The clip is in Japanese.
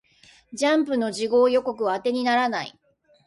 ジャンプの次号予告は当てにならない